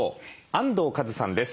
安藤和津さんです。